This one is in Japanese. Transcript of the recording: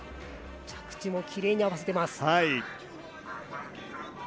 着地もきれいに合わせています。